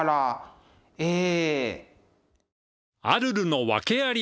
ええ。